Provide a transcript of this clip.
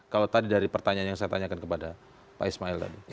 kalau tadi dari pertanyaan yang saya tanyakan kepada pak ismail tadi